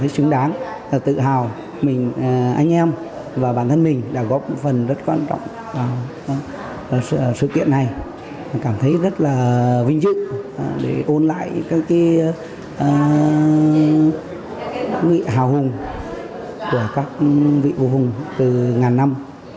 sự kiện này cảm thấy rất là vinh dự để ôn lại các vị hào hùng của các vị vua hùng từ ngàn năm